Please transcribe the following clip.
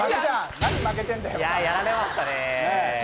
いややられましたね